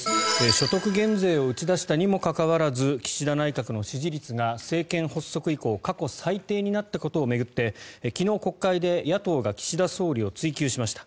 所得減税を打ち出したにもかかわらず岸田内閣の支持率が政権発足以降過去最低になったことを巡って昨日、国会で野党が岸田総理を追及しました。